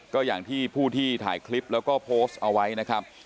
ก็อย่างที่ผู้ที่ถ่ายคลิปแล้วก็โพสต์เอาไว้นะครับ